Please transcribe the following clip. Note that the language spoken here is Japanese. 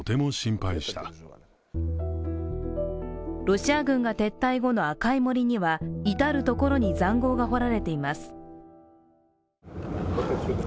ロシア軍が撤退後の赤い森には至る所に塹壕が掘られています。